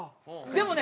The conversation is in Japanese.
でもね